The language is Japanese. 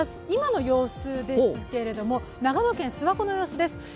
今の様子ですけれども、長野県諏訪湖の様子です。